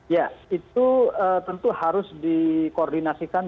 ya itu tentu harus dikoordinasikan